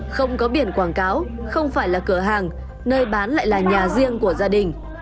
không có biển quảng cáo không phải là cửa hàng nơi bán lại là nhà riêng của gia đình